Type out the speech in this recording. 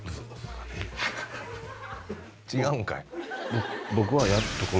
違うんかい？